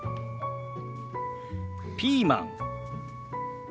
ピーマン。